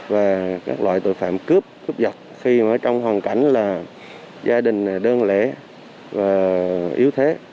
và các loại tội phạm cướp cướp giật